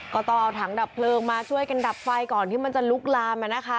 ก็ต้องเอาถังดับเพลิงมาช่วยกันดับไฟก่อนที่มันจะลุกลาม